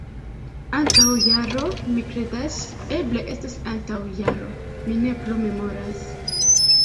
Antaŭ jaro, mi kredas... eble estas antaŭ jaro. Mi ne plu memoras